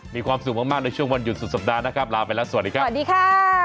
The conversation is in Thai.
มีความสุขมากในช่วงวันหยุดสุดสัปดาห์นะครับลาไปแล้วสวัสดีครับสวัสดีค่ะ